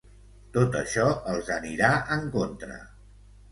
Tot això els anirà en contra